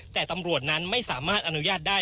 แต่ตำรวจนั้นไม่สามารถอนุญาตได้